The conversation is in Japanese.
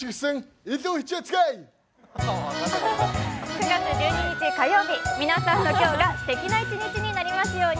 ９月１２日火曜日、皆さんの今日がすてきな一日になりますように。